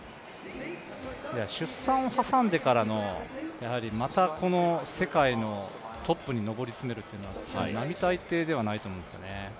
出産を挟んでからの、また世界のトップに上り詰めるというのは並大抵ではないと思うんですよね。